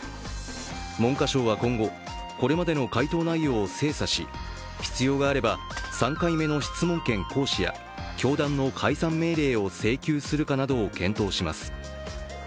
文科省は今後これまでの回答内容を精査し必要があれば３回目の質問権行使や教団の解散命令を請求するかなどを検討します。